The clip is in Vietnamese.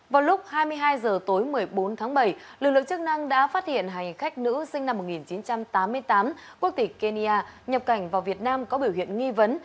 vào lúc hai mươi hai h tối một mươi bốn tháng bảy lực lượng chức năng đã phát hiện hành khách nữ sinh năm một nghìn chín trăm tám mươi tám quốc tịch kenya nhập cảnh vào việt nam có biểu hiện nghi vấn